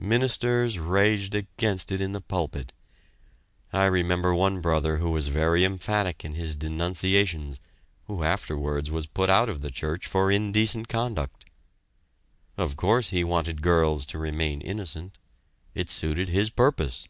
Ministers raged against it in the pulpit. I remember one brother who was very emphatic in his denunciations who afterwards was put out of the church for indecent conduct. Of course he wanted girls to remain innocent it suited his purpose.